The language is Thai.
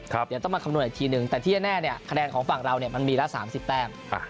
เดี๋ยวต้องมาคำนวณอีกทีนึงแต่ที่แน่เนี่ยคะแนนของฝั่งเรามันมีละ๓๐แต้ม